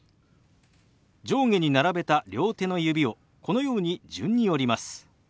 上下に並べた両手の指をこのように順に折ります。